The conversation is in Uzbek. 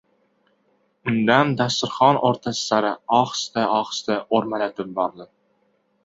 Undan dasturxon o‘rtasi sari ohista-ohista o‘rmalatib bordi.